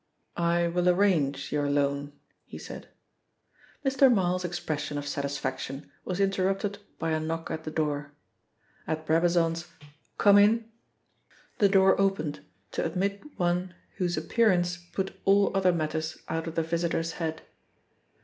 "I will arrange your loan," he said. Mr. Marl's expression of satisfaction was interrupted by a knock at the door. At Brabazon's "Come in," the door opened to admit one whose appearance put all other matters out of the visitor's head.